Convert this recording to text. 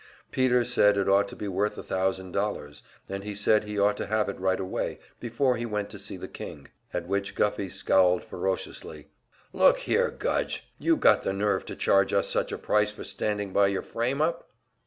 Peter said it ought to be worth a thousand dollars, and he said he ought to have it right away, before he went to see the king. At which Guffey scowled ferociously. "Look here, Gudge! you got the nerve to charge us such a price for standing by your frame up?"